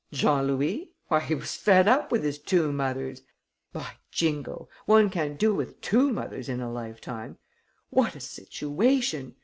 "Jean Louis? Why, he was fed up with his two mothers! By Jingo, one can't do with two mothers in a life time! What a situation!